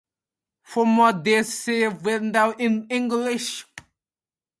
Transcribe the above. For more details see Gender in English.